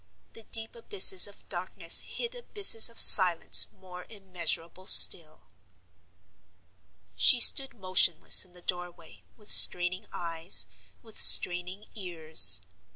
The deep abysses of darkness hid abysses of silence more immeasurable still. She stood motionless in the door way, with straining eyes, with straining ears.